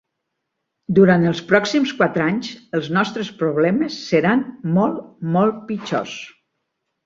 Durant els pròxims quatre anys, els nostres problemes seran molt, molt pitjors.